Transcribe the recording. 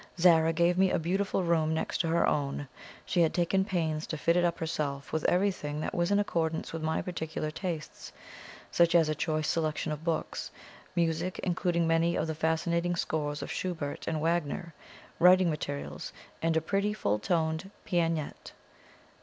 Zara gave me a beautiful room next to her own; she had taken pains to fit it up herself with everything that was in accordance with my particular tastes, such as a choice selection of books; music, including many of the fascinating scores of Schubert and Wagner; writing materials; and a pretty, full toned pianette.